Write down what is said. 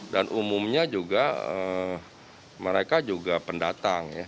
dan umumnya juga mereka juga pendatang ya